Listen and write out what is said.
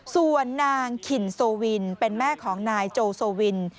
ส่วนนางขินโซวินเป็นแม่ของนายโจโซวิน